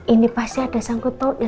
ini pasti ada sangkut taunya